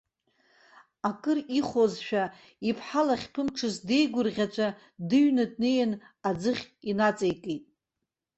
Акыр ихәозшәа, иԥҳал ахьԥымҽыз деигәырӷьаҵәа дыҩны днеин, аӡыхь инаҵеикит.